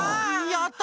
やった！